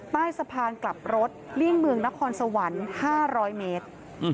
ใต้สะพานกลับรถเลี่ยงเมืองนครสวรรค์๕๐๐เมตร